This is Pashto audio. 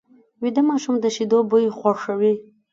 ویده ماشوم د شیدو بوی خوښوي